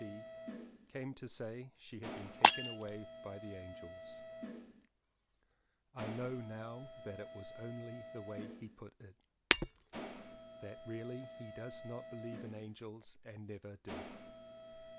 C.P., came to say that she had been taken away by the angels. 184 LLEWELLYN POWYS I know now that it was only the way he put it, that really he does not believe in angels and never did.